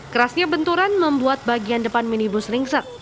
kerasnya benturan membuat bagian depan minibus ringsek